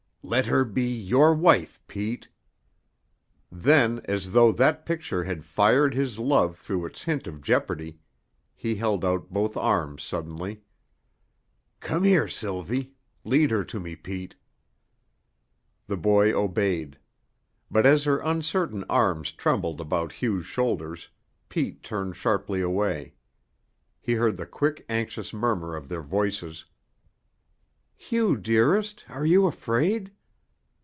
"Let her be your wife, Pete." Then, as though that picture had fired his love through its hint of jeopardy, he held out both arms suddenly: "Come here, Sylvie lead her to me, Pete." The boy obeyed. But as her uncertain arms trembled about Hugh's shoulders Pete turned sharply away. He heard the quick, anxious murmur of their voices: "Hugh, dearest are you afraid?"